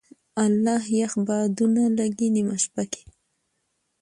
اله یخ بادونه لګې نېمه شپه کي